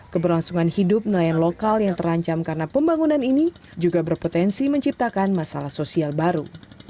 keberlangsungan hidup nelayan lokal yang terancam karena pembangunan ini juga berpotensi menciptakan masalah sosial baru